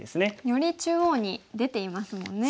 より中央に出ていますもんね。